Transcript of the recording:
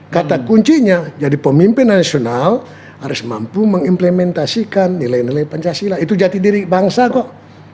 kata kuncinya jadi pemimpin nasional harus mampu mengimplementasikan nilai nilai pancasila itu jati diri bangsa kok